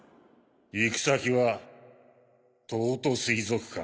行き先は東都水族館。